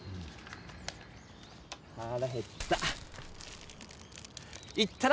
はらへった！